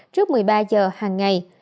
trước một mươi ba h hàng ngày